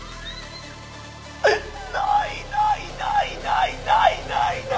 ないないないない。